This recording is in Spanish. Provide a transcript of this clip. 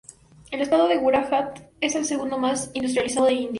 El estado de Gujarat es el segundo más industrializado de India.